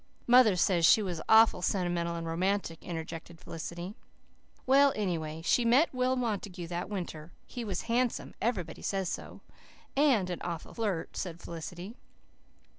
"Mother says she was awful sentimental and romantic," interjected Felicity. "Well, anyway, she met Will Montague that winter. He was handsome everybody says so" "And an awful flirt," said Felicity.